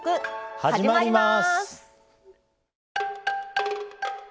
始まります。